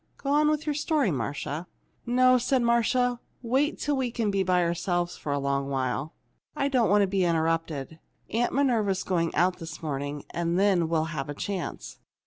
Go on with your story, Marcia." "No," said Marcia. "Wait till we can be by ourselves for a long while. I don't want to be interrupted. Aunt Minerva's going out this morning, and then we'll have a chance."